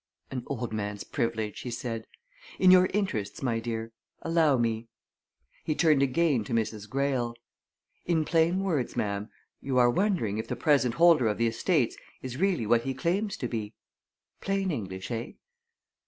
"An old man's privilege!" he said. "In your interests, my dear. Allow me." He turned again to Mrs. Greyle. "In plain words, ma'am, you are wondering if the present holder of the estates is really what he claims to be. Plain English, eh?"